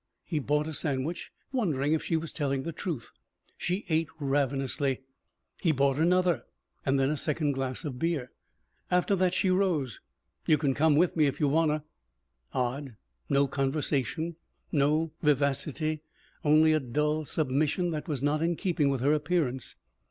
He bought a sandwich, wondering if she was telling the truth. She ate ravenously. He bought another and then a second glass of beer. After that she rose. "You can come with me if you wanna." Odd. No conversation, no vivacity, only a dull submission that was not in keeping with her appearance.